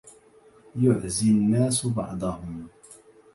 يعزي الناس بعضهم